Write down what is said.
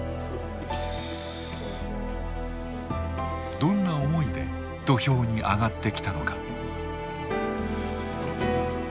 どんな思いで土俵に上がってきたのか。